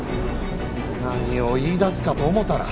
何を言い出すかと思うたら。